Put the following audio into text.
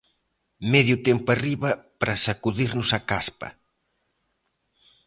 Medio tempo arriba, para sacudirnos a caspa.